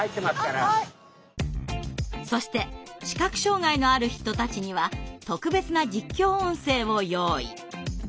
そして視覚障害のある人たちには特別な実況音声を用意。